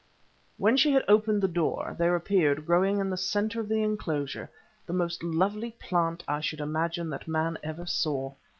When she had opened the door, there appeared, growing in the centre of the enclosure, the most lovely plant, I should imagine, that man ever saw.